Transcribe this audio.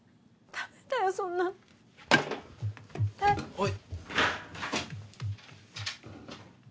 おい！